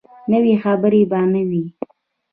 نوي خبرې به نه وي.